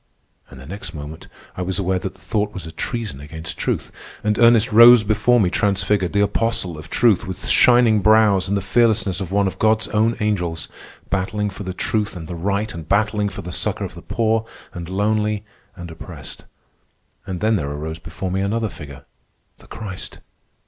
And the next moment I was aware that the thought was a treason against truth, and Ernest rose before me transfigured, the apostle of truth, with shining brows and the fearlessness of one of God's own angels, battling for the truth and the right, and battling for the succor of the poor and lonely and oppressed. And then there arose before me another figure, the Christ!